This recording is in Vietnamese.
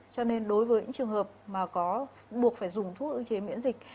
cho nên đối với những trường hợp mà có buộc phải dùng thuốc ưu chế miễn dịch